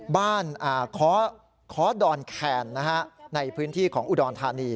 คอดอนแคนในพื้นที่ของอุดรธานี